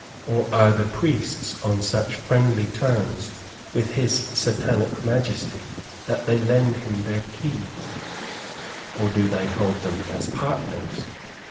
Or, are the priests on such friendly terms with his satanic majesty that they lend him their keys? Or, do they hold them as partners?